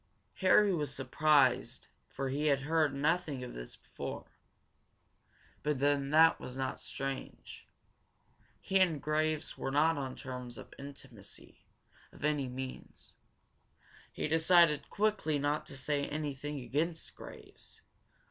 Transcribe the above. Harry was surprised for he had heard nothing of this before. But then that was not strange. He and Graves were not on terms of intimacy, by any means. He decided quickly not to say anything against Graves.